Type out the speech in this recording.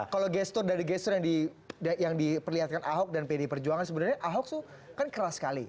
kalau gestur dari gestur yang diperlihatkan ahok dan pd perjuangan sebenarnya ahok tuh kan keras sekali